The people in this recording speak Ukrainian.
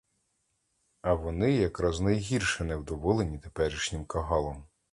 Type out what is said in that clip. А вони якраз найгірше невдоволені теперішнім кагалом.